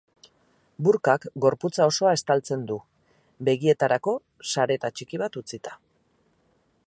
Burkak gorputza osoa estataltzen du, begietarako sareta txiki bat utzita.